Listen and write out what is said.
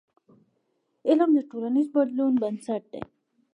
علم د ټولنیز بدلون بنسټ دی.